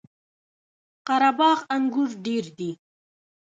قره باغ انګور ډیر دي؟